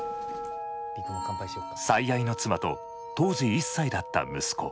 最愛の妻と当時１歳だった息子。